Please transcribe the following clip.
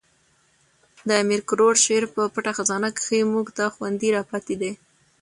د امیر کروړ شعر په پټه خزانه کښي موږ ته خوندي را پاتي دي.